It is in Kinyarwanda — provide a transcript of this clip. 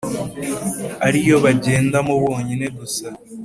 ariyo bagendamo bonyine gusa